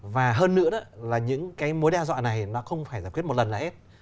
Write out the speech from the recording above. và hơn nữa là những cái mối đe dọa này nó không phải giải quyết một lần là hết